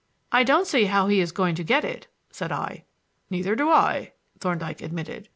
"I don't see how he is to get it," said I. "Neither do I," Thorndyke admitted.